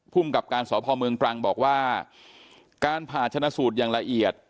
กับการสพเมืองตรังบอกว่าการผ่าชนะสูตรอย่างละเอียด